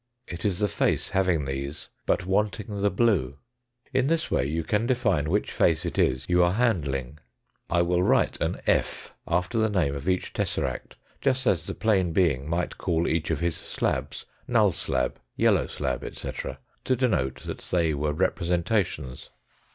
It is the face having these, but wanting the blue. In this way you can define which face it is you are handling. I will write an " f." after the name of each tesseract just as the plane being might call each of his slabs null slab, yellow slab, etc., to denote that they were representations.